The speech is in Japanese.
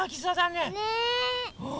ねえ。